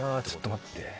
ちょっと待って。